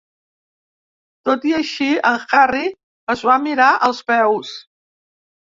Tot i així, en Harry es va mirar els peus.